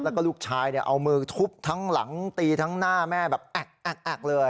แล้วก็ลูกชายเอามือทุบทั้งหลังตีทั้งหน้าแม่แบบแอกเลย